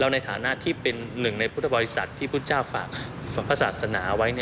ในฐานะที่เป็นหนึ่งในพุทธบริษัทที่พุทธเจ้าฝากพระศาสนาไว้